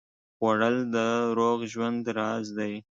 خوړل د روغ ژوند راز دی